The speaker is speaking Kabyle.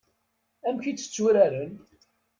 Amek i tt-tturaren?